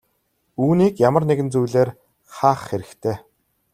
Үүнийг ямар нэгэн зүйлээр хаах хэрэгтэй.